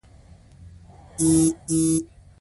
د نړۍ وېشنې پر مهال دوی ته لږ برخه رسېدلې